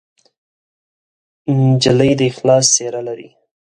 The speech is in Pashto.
نجلۍ د اخلاص څېره لري.